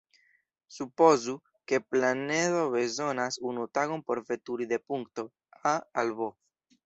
Supozu, ke planedo bezonas unu tagon por veturi de punkto "A" al "B".